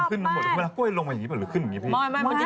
กล้วยลงมาอย่างนี้ป่ะหรือขึ้นอย่างนี้พี่